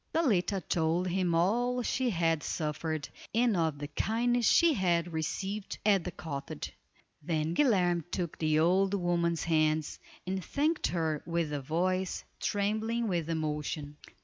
Zaletta told him all she had suffered, and of the kindness she had received at the cottage. Then Guilerme took the old woman's hands and thanked her with a voice trembling with emotion.